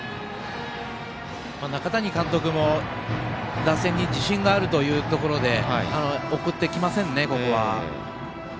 中谷監督も打線に自信があるというので送ってきませんね。